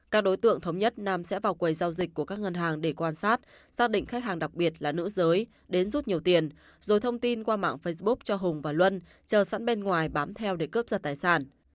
các đối tượng thống nhất nam sẽ vào quầy giao dịch của các ngân hàng để quan sát xác định khách hàng đặc biệt là nữ giới đến rút nhiều tiền rồi thông tin qua mạng facebook cho hùng và luân chờ sẵn bên ngoài bám theo để cướp giật tài sản